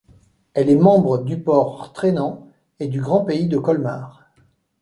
Elle est membre du Port Rhtrénan et du grand pays de Colmar.